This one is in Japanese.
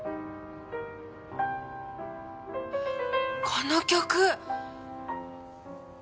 この曲！